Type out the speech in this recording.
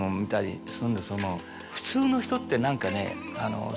普通の人って何かね